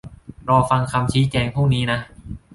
รอฟังคำชี้แจงพรุ่งนี้นะ